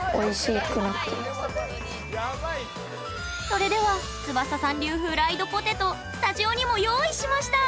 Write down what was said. それではつばささん流フライドポテトスタジオにも用意しました！